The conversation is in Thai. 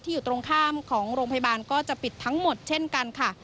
อยู่ตรงข้ามของโรงพยาบาลก็จะปิดทั้งหมดเช่นกันค่ะ